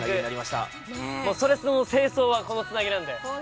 「それスノ」の正装はこのつなぎなんで。